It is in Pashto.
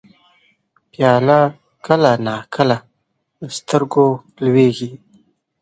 پیاله کله نا کله له سترګو لوېږي.